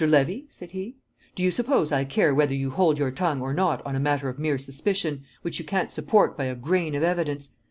Levy," said he, "do you suppose I care whether you hold your tongue or not on a matter of mere suspicion, which you can't support by a grain of evidence?